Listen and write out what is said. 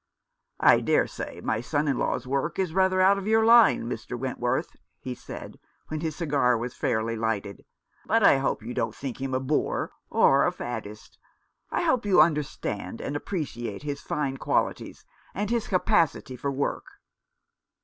"I dare say my son in law's work is rather out of your line, Mr. Wentworth," he said, when his cigar was fairly lighted, "but I hope you don't think him a bore, or a faddist. I hope you understand and appreciate his fine qualities and his capacity for work."